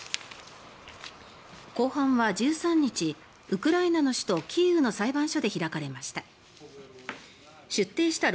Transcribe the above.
公判は１３日ウクライナの首都キーウの裁判所で開かれました。